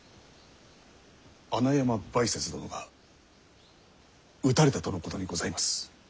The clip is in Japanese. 穴山梅雪殿が討たれたとのことにございます。